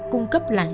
cung cấp lại